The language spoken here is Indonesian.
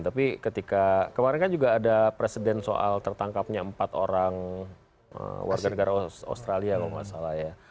tapi ketika kemarin kan juga ada presiden soal tertangkapnya empat orang warga negara australia kalau nggak salah ya